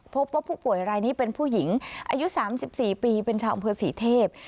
พบว่าผู้ป่วยรายนี้เป็นผู้หญิงอายุสามสิบสี่ปีเป็นชาวองค์พื้นสี่เทพ